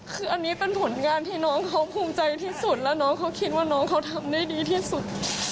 คืออันนี้เป็นผลงานที่น้องเขาภูมิใจที่สุดแล้วน้องเขาคิดว่าน้องเขาทำได้ดีที่สุด